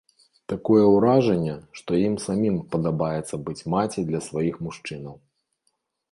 Такое ўражанне, што ім самім падабаецца быць маці для сваіх мужчынаў.